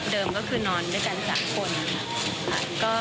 ก็คือนอนด้วยกัน๓คนค่ะ